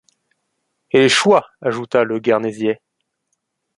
Et les Chouas, ajouta le guernesiais.